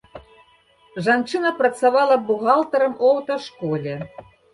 Жанчына працавала бухгалтарам у аўташколе.